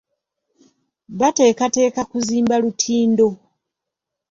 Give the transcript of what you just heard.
Bateekateeka kuzimba lutindo.